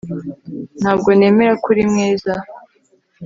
Ntabwo nemera ko uri mwiza